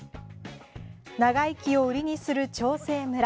長生きを売りにする長生村。